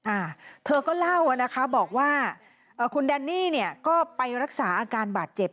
อ่าเธอก็เล่าอ่ะนะคะบอกว่าเอ่อคุณแดนนี่เนี่ยก็ไปรักษาอาการบาดเจ็บ